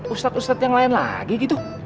ustadz ustadz yang lain lagi gitu